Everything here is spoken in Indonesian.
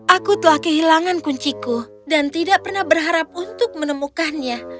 aku telah kehilangan kunciku dan tidak pernah berharap untuk menemukannya